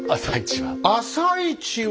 「朝市」は？